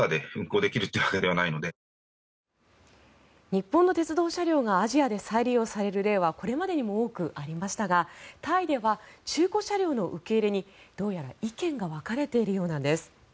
日本の鉄道車両がアジアで再利用される例はこれまでにも多くありましたがタイでは中古車両の受け入れにどうやら意見が分かれているようなんです。